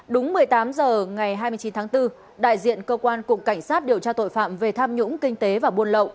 đúng một mươi tám h ngày hai mươi chín tháng bốn đại diện cơ quan cục cảnh sát điều tra tội phạm về tham nhũng kinh tế và buôn lậu